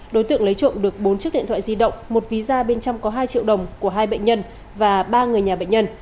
đối tượng lấy trộm được bốn chiếc điện thoại di động một ví da bên trong có hai triệu đồng của hai bệnh nhân và ba người nhà bệnh nhân